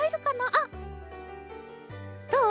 あっどう？